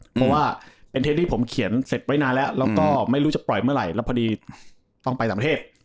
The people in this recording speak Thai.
เพราะว่าเป็นเทปที่ผมเขียนเสร็จไว้นานแล้วแล้วก็ไม่รู้จะปล่อยเมื่อไหร่แล้วพอดีต้องไปต่างประเทศ